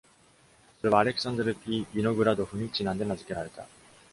それは、アレクサンドル・ P ・ビノグラドフにちなんで名付けられた。